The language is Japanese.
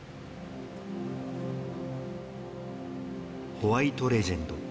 ホワイト・レジェンド。